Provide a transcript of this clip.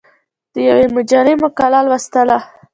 د یوې مجلې مقاله لوستله.